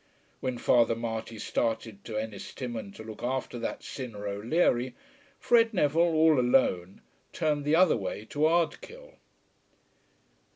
When Father Marty started to Ennistimon to look after that sinner O'Leary, Fred Neville, all alone, turned the other way to Ardkill.